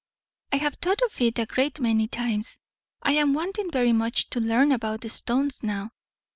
I have thought of it a great many times. I am wanting very much to learn about stones now.